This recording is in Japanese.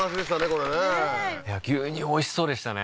これねねえいや牛乳おいしそうでしたね